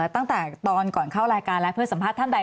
ตั้งแต่ตอนก่อนเข้ารายการแล้วเพื่อสัมภาษณ์ท่านใด